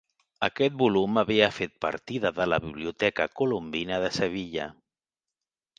Aquest volum havia fet partida de la Biblioteca Colombina de Sevilla.